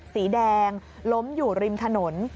สีแดงล้มอยู่ริมถนน